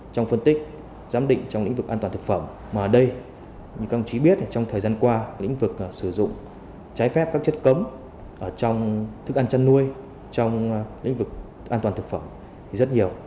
trong mỹ phẩm dược phẩm thực phẩm chức năng